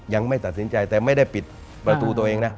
ยังไม่ตัดสินใจแต่ไม่ได้ปิดประตูตัวเองนะ